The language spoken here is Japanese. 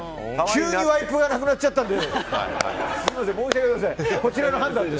急にワイプがなくなっちゃったんで。